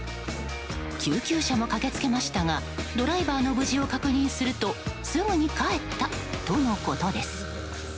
救急車も駆けつけましたがドライバーの無事を確認するとすぐに帰ったとのことです。